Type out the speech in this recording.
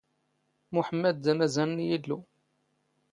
ⵎⵓⵃⵎⵎⴰⴷ ⴷ ⴰⵎⴰⵣⴰⵏ ⵏ ⵢⵉⵍⵍⵓ.